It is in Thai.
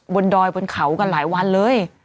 ดอยบนเขากันหลายวันเลย